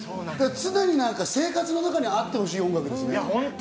常に生活の中にあってほしい音楽です。